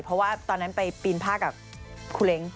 เพราะว่าตอนนั้นไปปีนผ้ากับครูเล้ง